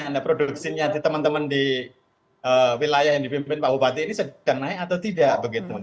anda produksinya di teman teman di wilayah yang dipimpin pak bupati ini sedang naik atau tidak begitu